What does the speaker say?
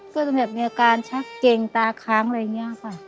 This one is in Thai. ก็จะมีอาการชักเกงตาค้างหลายค่ะ